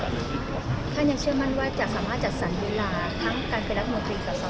ค่ะยังเชื่อมั่นว่าจะสามารถจัดสรรค์เวลา